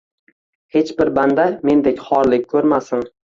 Hech bir banda mendek xorlik ko`rmasin